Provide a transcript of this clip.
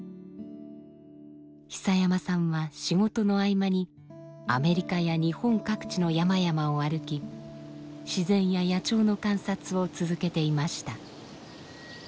久山さんは仕事の合間にアメリカや日本各地の山々を歩き自然や野鳥の観察を続けていました。